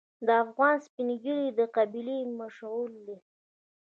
د افغان سپین ږیری د قبیلې مشعل دی.